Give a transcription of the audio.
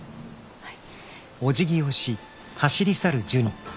はい。